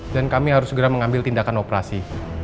dan kami harus segera mengambil tindakan operasi